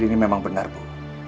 ini memang benar bu